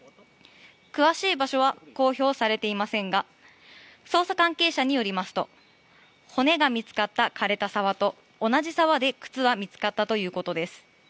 詳しい場所は公表されていませんが捜査関係者によりますと骨が見つかった枯れた沢と同じ沢で靴は見つかったということです。